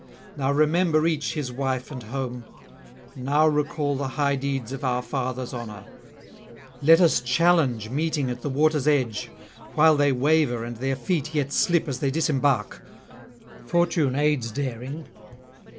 Now remember each his wife and home: now recall the high deeds of our fathers' honour. Let us challenge meeting at the water's edge, while they waver and their feet yet slip as they disembark. Fortune aids daring.